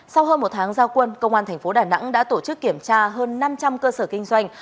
sau hơn một tháng giao quân công an thành phố đà nẵng đã tổ chức kiểm tra hơn năm trăm linh cơ sở kinh doanh